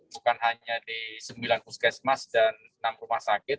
bukan hanya di sembilan puskesmas dan enam rumah sakit